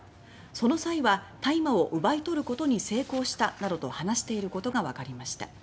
「その際は大麻を奪い取ることに成功した」などと話していることが新たにわかりました。